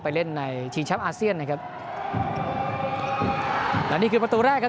เล่นในทีมแชมป์อาเซียนนะครับและนี่คือประตูแรกครับ